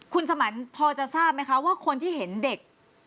คุณสมันพอจะทราบไหมคะว่าคนที่เห็นเด็ก